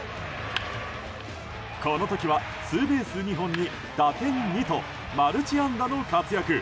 この時はツーベース２本に打点２とマルチ安打の活躍。